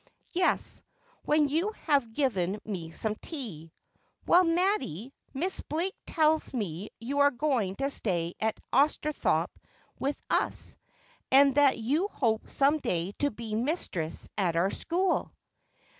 ' Yes, when you have given me some tea. Well, Mattie, Miss Blake tells me you are going to stay at Austhorpe with us, and that you hope some day to be mistress at our school.'